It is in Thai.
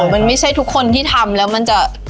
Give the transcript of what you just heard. มันไม่ใช่ทุกคนที่ทำแล้วมันจะ